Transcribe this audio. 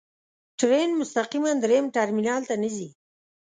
ټرین مستقیماً درېیم ټرمینل ته نه ځي.